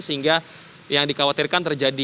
sehingga yang dikhawatirkan terjadi